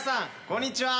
こんにちは！